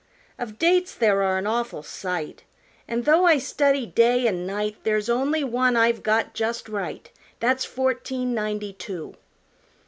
Of dates there are an awful sight, An' though I study day an' night, There's only one I've got just right That's fourteen ninety two.